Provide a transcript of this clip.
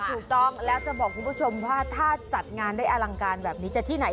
ถูกต้องแล้วจะบอกคุณผู้ชมว่าถ้าจัดงานได้อลังการแบบนี้จะที่ไหน